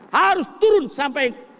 harus turun sampai